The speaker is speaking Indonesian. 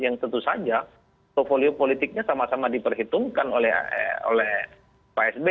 yang tentu saja portfolio politiknya sama sama diperhitungkan oleh pak sby